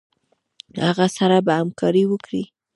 هغه سره به همکاري وکړي.